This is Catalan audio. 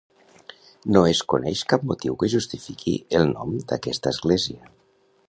No es coneix cap motiu que justifiqui el nom d'aquesta església.